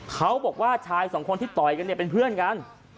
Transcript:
เขาบอกว่าชายสองคนที่ต่อยกันเนี่ยเป็นเพื่อนกัน